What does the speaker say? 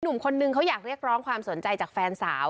หนุ่มคนนึงเขาอยากเรียกร้องความสนใจจากแฟนสาว